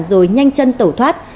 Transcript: rồi nhanh chân tẩu thoát